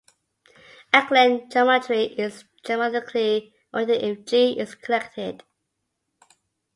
A Klein geometry is geometrically oriented if "G" is connected.